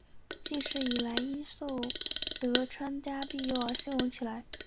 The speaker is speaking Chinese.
近世以来因受到德川家的庇佑而兴隆起来。